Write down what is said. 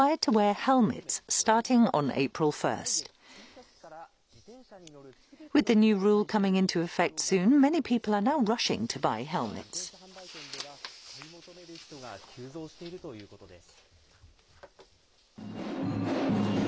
今、自転車販売店では買い求める人が急増しているということです。